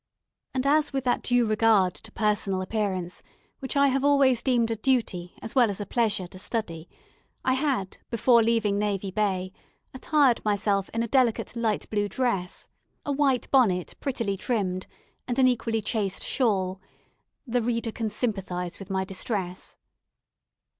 And as with that due regard to personal appearance, which I have always deemed a duty as well as a pleasure to study, I had, before leaving Navy Bay, attired myself in a delicate light blue dress, a white bonnet prettily trimmed, and an equally chaste shawl, the reader can sympathise with my distress.